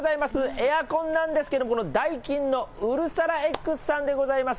エアコンなんですけど、このダイキンのうるさらＸさんでございます。